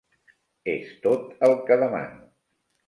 És tot el què demano.